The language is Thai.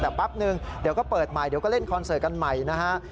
แต่แป๊บนึงเดี๋ยวก็เปิดใหม่เดี๋ยวก็เล่นคอนเสิร์ตกันใหม่นะฮะ